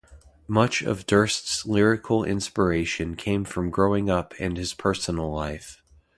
Much of Durst's lyrical inspiration came from growing up and his personal life.